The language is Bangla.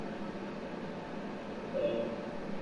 তারা সহিষ্ণুতার রাজনীতি করে না, কারও সমালোচনা সহ্য করতে পারে না।